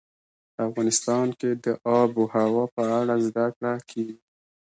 افغانستان کې د آب وهوا په اړه زده کړه کېږي.